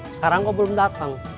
sekarang kok belum datang